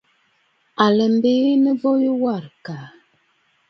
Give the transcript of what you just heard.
À lɛ biinə bo yu warə̀ àkàà.